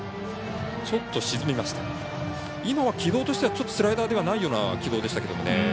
今は軌道としてはスライダーではないような軌道でしたけどね。